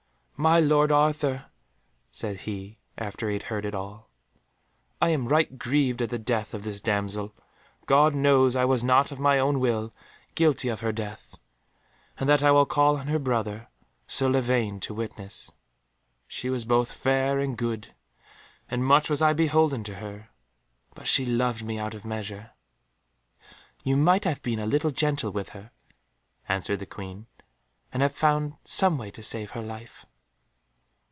"My lord Arthur," said he, after he had heard it all, "I am right grieved at the death of this damsel. God knows I was not, of my own will, guilty of her death, and that I will call on her brother, Sir Lavaine, to witness. She was both fair and good, and much was I beholden to her, but she loved me out of measure." "You might have been a little gentle with her," answered the Queen, "and have found some way to save her life."